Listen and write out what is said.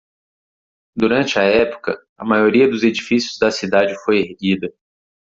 Durante a época, a maioria dos edifícios da cidade foi erguida.